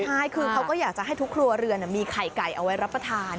ใช่คือเขาก็อยากจะให้ทุกครัวเรือนมีไข่ไก่เอาไว้รับประทาน